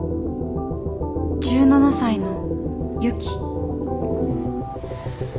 １７才のユキ。